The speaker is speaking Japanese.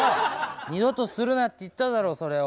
二度とするなって言っただろそれを。